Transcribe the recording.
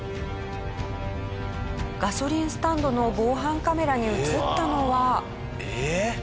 ガソリンスタンドの防犯カメラに映ったのは。